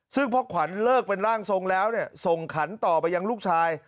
ซึ่งพอขวัญเลิกเป็นร่างทรงแล้วส่งขันต่อไปยังลูกชาย